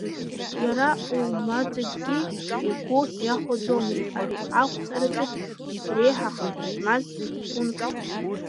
Иара оумаӡакгьы игәы иахәаӡомызт ари ақәҵараҿы зегьреиҳа хадара змаз пунктк…